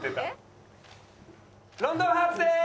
『ロンドンハーツ』です！